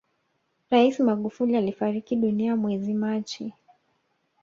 rais magufuli alifariki dunia mwezi machi